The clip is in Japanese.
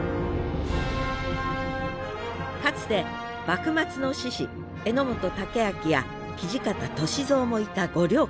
かつて幕末の志士榎本武揚や土方歳三もいた五稜郭。